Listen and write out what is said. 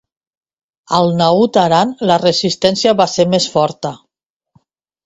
Al Naut Aran la resistència va ser més forta.